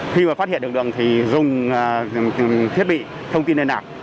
khi mà phát hiện được đường thì dùng thiết bị thông tin lên nạp